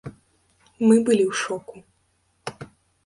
Мы былі ў шоку.